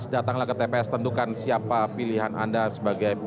datanglah ke tps tentukan siapa pilihan anda sebagai mui